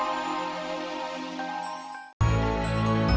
sampai jumpa lagi